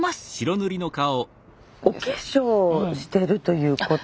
お化粧をしているということ？